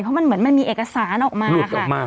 เพราะมันเหมือนมันมีเอกสารออกมาค่ะ